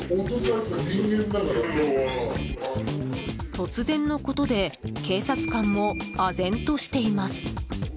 突然のことで警察官もあぜんとしています。